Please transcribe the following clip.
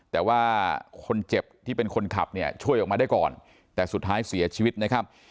แต่ว่าคนเจ็บที่เป็นคนขับเนี่ยช่วยออกมาได้ก่อนแต่สุดท้ายเสียชีวิตนะครับ